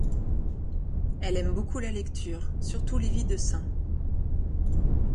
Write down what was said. Elle aime beaucoup la lecture, surtout les vies de saints.